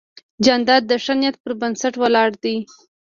جانداد د ښه نیت پر بنسټ ولاړ دی.